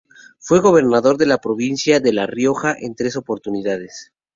Fue gobernador de la provincia de La Rioja en tres oportunidades.